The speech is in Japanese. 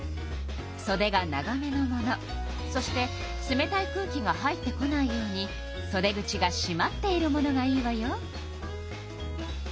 そでが長めのものそして冷たい空気が入ってこないようにそで口がしまっているものがいいわよ。